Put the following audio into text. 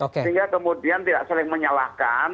sehingga kemudian tidak saling menyalahkan